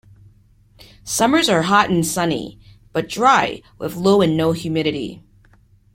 Summers are hot and sunny, but dry, with low or no humidity.